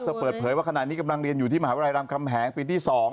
เปิดเผยว่าขณะนี้กำลังเรียนอยู่ที่มหาวิทยาลัยรามคำแหงปีที่๒